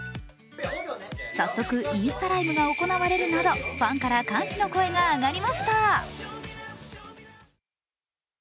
早速、インスタライブが行われるなど、ファンから歓喜の声が上がりました。